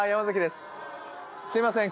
すいません。